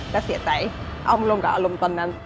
ก็เสียใจเอามาลงกับอารมณ์ตอนนั้น